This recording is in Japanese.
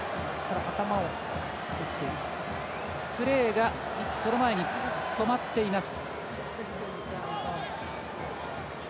プレーがその前に止まっています。